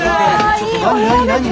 ちょっと何何？